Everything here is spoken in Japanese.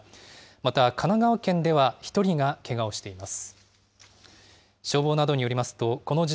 また神奈川県では１人がけがをしています。